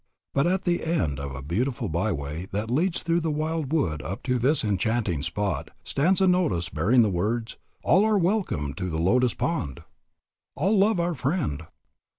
But at the end of a beautiful by way that leads through the wildwood up to this enchanting spot, stands a notice bearing the words "All are welcome to the Lotus Pond." All love our friend.